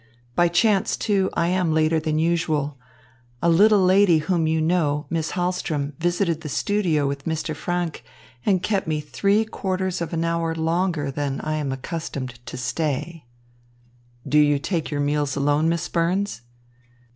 By chance, too, I am later than usual. A little lady whom you know, Miss Hahlström, visited the studio with Mr. Franck and kept me three quarters of an hour longer than I am accustomed to stay." "Do you take your meals alone, Miss Burns?"